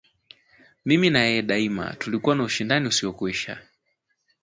Mimi na yeye daima tulikuwa na ushindani usiokwisha